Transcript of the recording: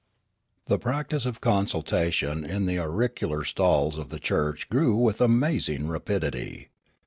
The practice of consultation in the auricular stalls of the church grew with amazing rapidity.